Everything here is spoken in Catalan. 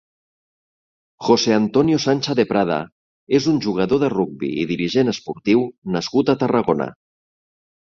José Antonio Sancha de Prada és un jugador de rugbi i dirigent esportiu nascut a Tarragona.